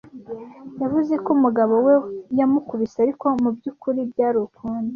Yavuze ko umugabo we yamukubise, ariko mubyukuri byari ukundi.